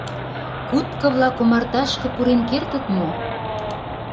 Кутко-влак омарташке пурен кертыт мо?